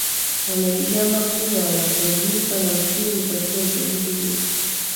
amejigamba kuwa wataibuka na ushindi katika uchaguzi huo